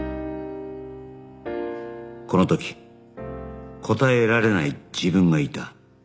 この時答えられない自分がいた